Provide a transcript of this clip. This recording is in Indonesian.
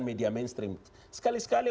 media mainstream sekali sekali